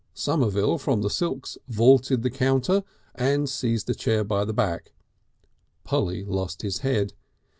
Somerville from the silks vaulted the counter, and seized a chair by the back. Polly lost his head.